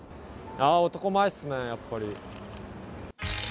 ほんとに男前っすね、やっぱり。